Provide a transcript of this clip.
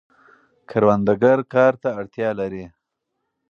کروندګر کار ته اړتیا لري.